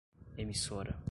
emissora